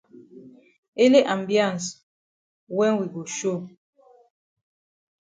Ele ambiance wen we go show.